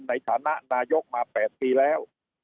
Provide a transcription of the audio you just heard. ในฐานะนายกมา๘ปีแล้ว